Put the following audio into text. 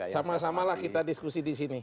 sama samalah kita diskusi disini